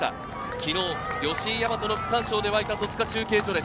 昨日、吉居大和の区間賞で沸いた戸塚中継所です。